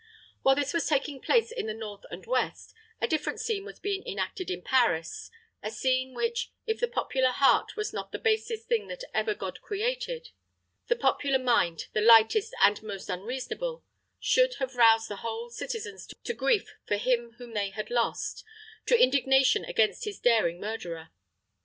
While this was taking place in the north and west, a different scene was being enacted in Paris; a scene which, if the popular heart was not the basest thing that ever God created, the popular mind the lightest and most unreasonable, should have roused the whole citizens to grief for him whom they had lost, to indignation against his daring murderer.